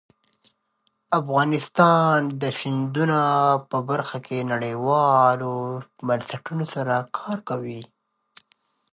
افغانستان د سیندونه په برخه کې نړیوالو بنسټونو سره کار کوي.